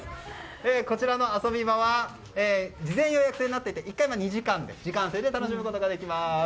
こちらの遊び場は事前予約制になっていて１回２時間という時間制で楽しむことができます。